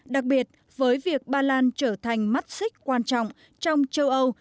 đặc biệt với việc ba lan trở thành mắt xích quan trọng trong châu âu